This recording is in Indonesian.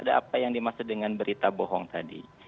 ada apa yang dimaksud dengan berita bohong tadi